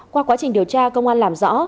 qua quá trình điều tra công an làm rõ